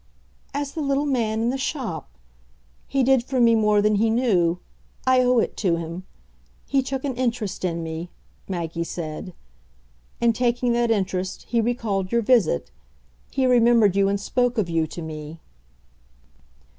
"As the little man in the shop. He did for me more than he knew I owe it to him. He took an interest in me," Maggie said; "and, taking that interest, he recalled your visit, he remembered you and spoke of you to me."